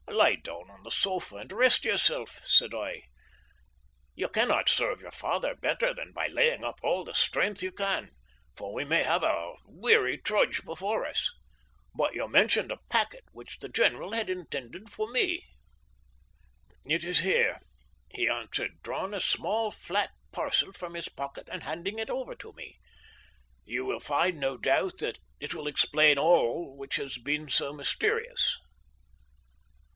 "Lie down on the sofa and rest yourself," said I. "You cannot serve your father better than by laying up all the strength you can, for we may have a weary trudge before us. But you mentioned a packet which the general had intended for me." "It is here," he answered, drawing a small, flat parcel from his pocket and handing it over to me, "you will find, no doubt, that it will explain all which has been so mysterious."